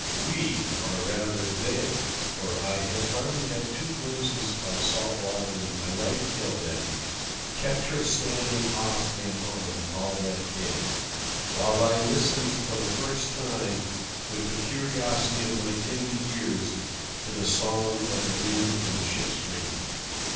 We—or, rather, they, for I had hardly had two glimpses of salt water in my life till then—kept her standing off and on all that day, while I listened for the first time with the curiosity of my tender years to the song of the wind in a ship's rigging.